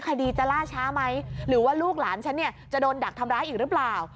คดีจะล่าช้าไหมหรือว่าลูกหลานฉันเนี่ยจะโดนดักทำร้ายอีกหรือเปล่า